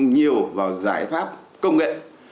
nhiều vào giải pháp công nghệ